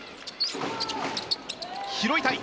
拾いたい。